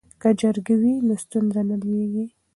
که جرګه وي نو ستونزه نه لویږي.